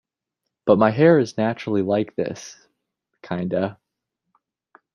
But my hair is naturally like this... Kinda.